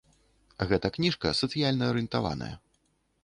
Гэта кніжка сацыяльна арыентаваная.